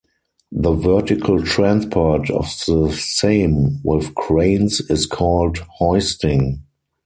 The vertical transport of the same with cranes is called hoisting.